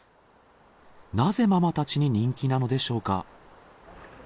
なぜママたちに人気なのでしょうか？